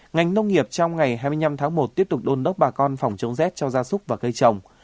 ngành nông nghiệp trong ngày hai mươi năm tháng một tiếp tục đôn đốc bà con phòng chống rét cho gia súc và cây trồng